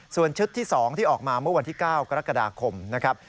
ส่วนชุดที่๒ที่ออกมาเมื่อวันที่๙กรกฎาคมนะครับ